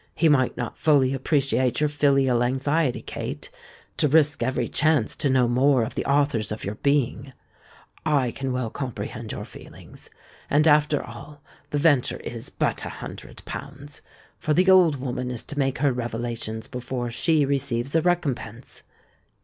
He might not fully appreciate your filial anxiety, Kate, to risk every chance to know more of the authors of your being. I can well comprehend your feelings; and, after all, the venture is but a hundred pounds—for the old woman is to make her revelations before she receives a recompense.